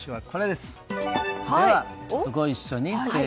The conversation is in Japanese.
では、ご一緒に。